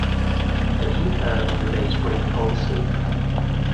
Have you heard of the base rate fallacy?